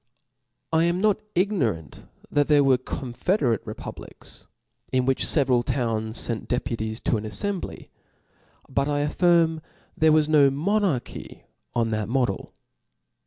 I am not ignorant that there were a confederate republics ; in which feveral towns fent deputies to an afiembly. But I affirm there was no monarchf on that model.